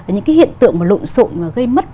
những cái hiện tượng mà lộn xộn và gây mất